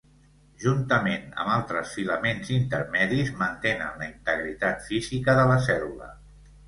Juntament amb altres filaments intermedis mantenen la integritat física de la cèl·lula.